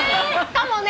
かもね！